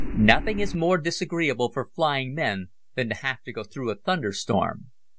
Nothing is more disagreeable for flying men than to have to go through a thunderstorm.